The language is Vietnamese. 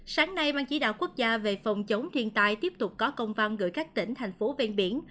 sáng nay ban chỉ đạo quốc gia về phòng chống thiên tai tiếp tục có công văn gửi các tỉnh thành phố ven biển